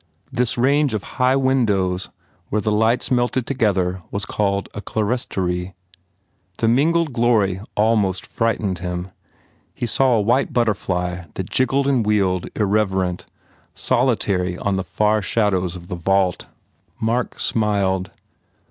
This range of high windows where the lights melted together was called a "clerestory." The mingled glory almost frightened him. He saw a white butterfly that jigged and wheeled, irreverent, solitary on the far shadows of the vault. Mark smiled.